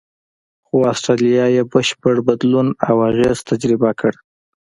خو استرالیا یې بشپړ بدلون او اغېز تجربه کړ.